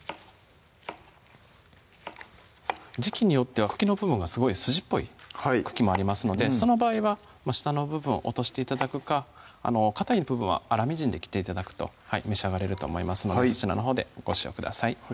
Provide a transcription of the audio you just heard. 時季によっては茎の部分がすごい筋っぽい茎もありますのでその場合は下の部分を落として頂くかかたい部分は粗みじんで切って頂くと召し上がれると思いますのでそちらのほうでご使用ください